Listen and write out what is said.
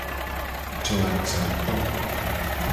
Jo ajato nguto.